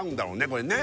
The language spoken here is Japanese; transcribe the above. これね